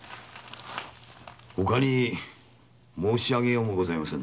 ほかに申しあげようもございませんな。